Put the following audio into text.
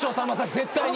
絶対に。